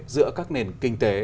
giữa các nền kinh tế